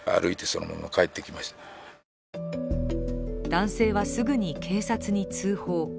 男性はすぐに警察に通報。